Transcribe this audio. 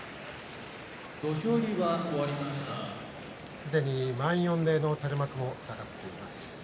すでに満員御礼の垂れ幕が下がっています。